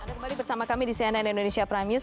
anda kembali bersama kami di cnn indonesia prime news